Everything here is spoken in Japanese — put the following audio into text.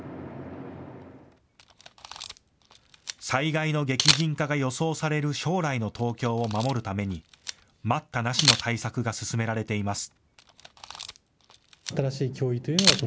災害の激甚化が予想される将来の東京を守るために待ったなしの対策が進められています。